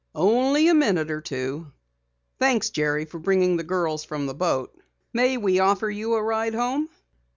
"Only a minute or two. Thanks, Jerry, for bringing the girls from the boat. May we offer you a ride home?"